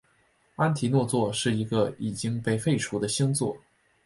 安提诺座是一个已经被废除的星座。